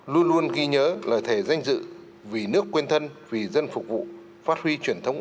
luôn luôn ghi nhớ lời thề danh dự vì nước quên thân vì dân phục vụ phát huy truyền thống